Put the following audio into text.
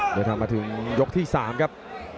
เดินทางมาถึงยกที่๓ครับ